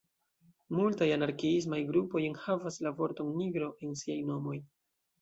Multaj anarkiismaj grupoj enhavas la vorton "nigro" en siaj nomoj.